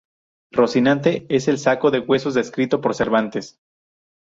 Rocinante es el saco de huesos descrito por Cervantes.